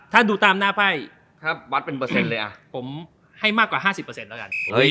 ถ้าดูตามหน้าไพ่ผมให้มากกว่า๕๐แล้วกัน